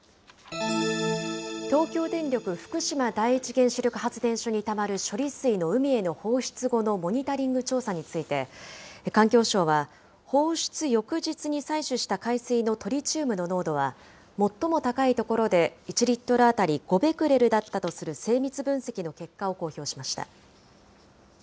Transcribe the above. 東京電力福島第一原子力発電所にたまる処理水の海への放出後のモニタリング調査について、環境省は放出翌日に採取した海水のトリチウムの濃度は、最も高い所で１リットル当たり５ベクレルだったとする精密分析の結果を公表しました。